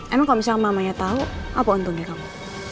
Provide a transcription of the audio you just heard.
emang kalau misalnya mamanya tahu apa untungnya kamu